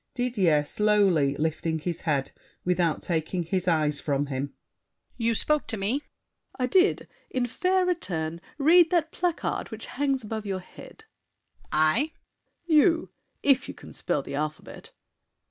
DIDIER (slowly lifting his head, without taking his eyes from him). You spoke to me? SAVERNY. I did! In fair return, Read that placard which hangs above your head. DIDIER. I? SAVERNY. You—if you can spell the alphabet.